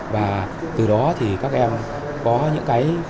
và từ đó các em có những cái